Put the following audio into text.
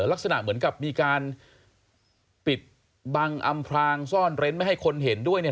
ลักษณะเหมือนกับมีการปิดบังอำพลางซ่อนเร้นไม่ให้คนเห็นด้วยเนี่ย